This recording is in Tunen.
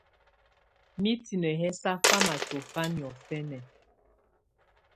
Mitini yɛ̀ sà famà tɔ̀fa niɔ̀fɛnɛ.